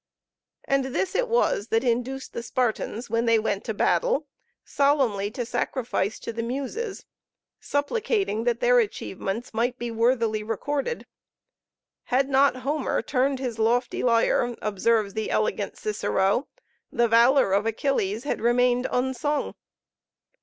And this it was that induced the Spartans, when they went to battle, solemnly to sacrifice to the Muses, supplicating that their achievements might be worthily recorded. Had not Homer turned his lofty lyre, observes the elegant Cicero, the valor of Achilles had remained unsung.